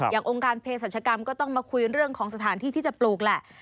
องค์การเพศรัชกรรมก็ต้องมาคุยเรื่องของสถานที่ที่จะปลูกแหละ